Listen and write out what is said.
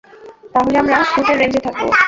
তাহলে আমরা শ্যুটের রেঞ্জে থাকব।